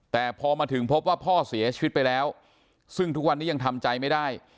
แต่พอมาถึงพบว่าพ่อเสียชีวิตไปแล้วซึ่งทุกวันนี้ยังทำใจไม่ได้